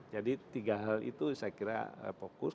jadi tiga hal itu saya kira fokus